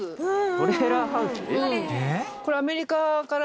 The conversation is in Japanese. トレーラーハウス？